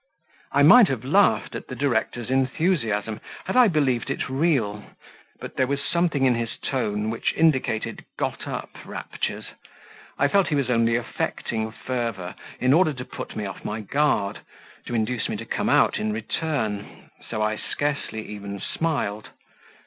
I might have laughed at the director's enthusiasm had I believed it real, but there was something in his tone which indicated got up raptures. I felt he was only affecting fervour in order to put me off my guard, to induce me to come out in return, so I scarcely even smiled.